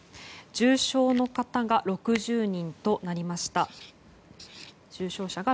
重症の方が６０人となりました。